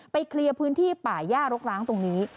เคลียร์พื้นที่ป่าย่ารกร้างตรงนี้